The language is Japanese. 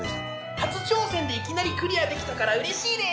初挑戦でいきなりクリアできたからうれしいです！